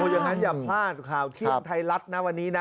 อย่างนั้นอย่าพลาดข่าวเที่ยงไทยรัฐนะวันนี้นะ